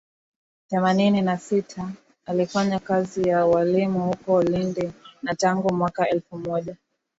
themanini na sita alifanya kazi ya ualimu huko Lindi na tangu mwaka elfu moja